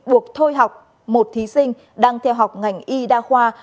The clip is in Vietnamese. buộc thôi học một thí sinh đang theo học ngành y đa khoa